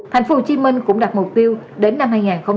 thành phố hồ chí minh cũng đặt mục tiêu đến năm hai nghìn hai mươi